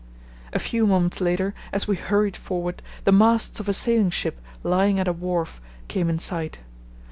A few moments later, as we hurried forward, the masts of a sailing ship lying at a wharf came in sight.